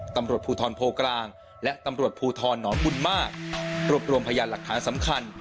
ตำรวจภูทรโพกลางและตำรวจภูทรหนองบุญมากรวบรวมพยานหลักฐานสำคัญ